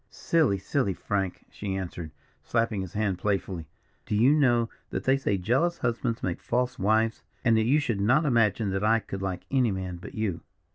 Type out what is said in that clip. "Silly, silly, Frank!" she answered, slapping his hand playfully. "Do you know that they say jealous husbands make false wives? and that you should not imagine that I could like any man but you."